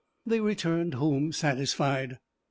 They returned home satisfied.